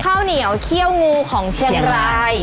ข้าวเหนียวเขี้ยวงูของเชียงราย